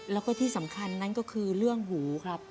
แล้วก็ที่สำคัญนั้นก็คือเรื่องหูครับ